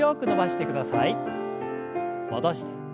戻して。